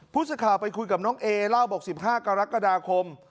ผู้สื่อข่าวไปคุยกับน้องเอเล่าบอก๑๕กรกฎาคม